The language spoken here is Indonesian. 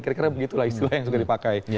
kira kira begitulah istilah yang sudah dipakai